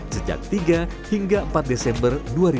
sejak tiga hingga empat desember dua ribu dua puluh